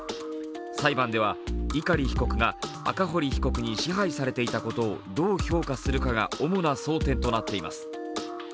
裁判では碇被告が赤堀被告に支配されていたことをどう評価するかが主な争点となっています。